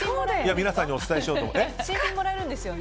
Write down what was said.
皆さんにお伝えしようと。